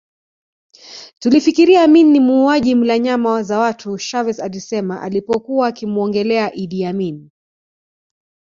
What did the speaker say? Tulifikiria Amin ni muuaji mla nyama za watu Chavez alisema alipokuwa akimuongelea Idi Amin